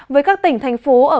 với các tỉnh thành phố